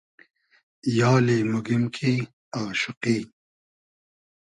یالی موگیم کی آشوقی